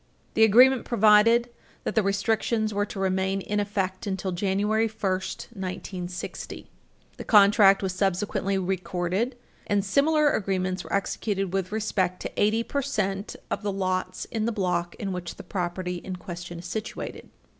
The agreement provided that the restrictions were to remain in effect until January 1, 1960. The contract was subsequently recorded, and similar agreements were executed with respect to eighty percent of the lots in the block in which the property in question is situated.